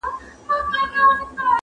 که مېرمني یې شپې ستړي په دُعا کړې!.